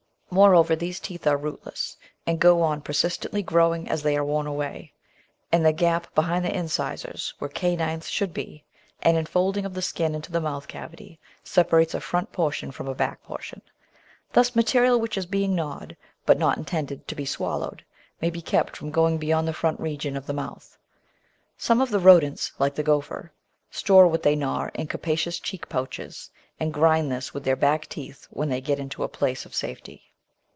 Moreover, these teeth are "rootless," and go on persistently growing as they are worn away. In the gap behind the incisors, where canines should be, an in folding of the skin into the mouth cavity separates a front portion from a back portion. Thus material which is being gnawed, but not intended to be swallowed, may be kept from going beyond the front region of the mouth. Some of the rodents, like the Gk)pher, store what they gnaw in capacious cheek pouches, and grind this with their back teeth when they get into a place of safety.